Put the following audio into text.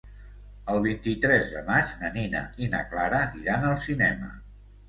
El vint-i-tres de maig na Nina i na Clara iran al cinema.